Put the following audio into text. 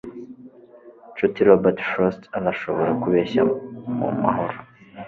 nshuti robert frost arashobora kubeshya mumahoro